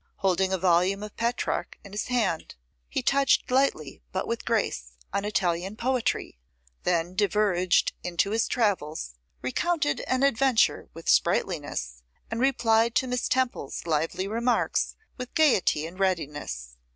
Holding a volume of Petrarch in his hand, he touched lightly, but with grace, on Italian poetry; then diverged into his travels, recounted an adventure with sprightliness, and replied to Miss Temple's lively remarks with gaiety and readiness.